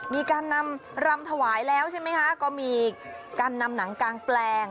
มีการนำรำถวายแล้วใช่ไหมคะก็มีการนำหนังกางแปลง